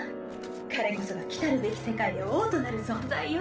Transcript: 彼こそが来るべき世界で王となる存在よ。